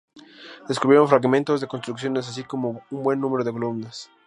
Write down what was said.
Descubrieron fragmentos de construcciones así como un buen número de columnas.